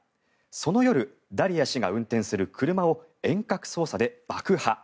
その夜、ダリヤ氏が運転する車を遠隔操作で爆破。